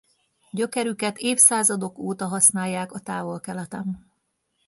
Gyökerüket évszázadok óta használják a Távol-Keleten.